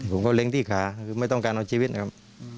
ผมก็เล้งที่ขาคือไม่ต้องการเอาชีวิตนะครับ